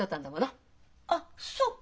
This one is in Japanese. あっそう。